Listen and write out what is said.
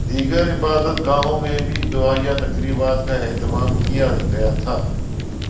دیگر عبادت گاہوں میں بھی دعائیہ تقریبات کا اہتمام کیا گیا تھا